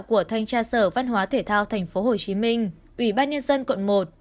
của thanh tra sở văn hóa thể thao tp hcm ủy ban nhân dân quận một